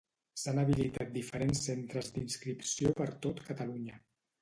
S'han habilitat diferents centres d'inscripció per tot Catalunya.